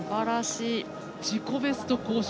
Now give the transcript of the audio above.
自己ベスト更新。